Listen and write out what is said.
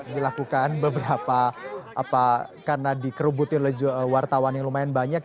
dilakukan beberapa karena dikerubutin wartawan yang lumayan banyak